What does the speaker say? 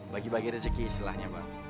bagi bagi rezeki istilahnya bang